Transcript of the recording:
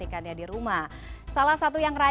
jal jenis saya